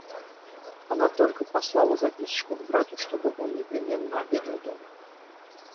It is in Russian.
Она только послала записочку к брату, чтоб он непременно обедал дома.